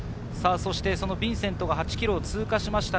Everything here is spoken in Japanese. ヴィンセントが８ｋｍを通過しました。